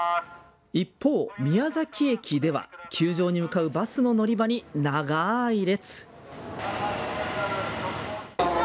一方、宮崎駅では球場に向かうバスの乗り場に長い列。